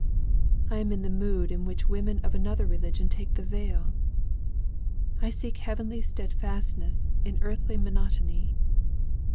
I am in the mood in which women of another religion take the veil. I seek heavenly steadfastness in earthly monotony.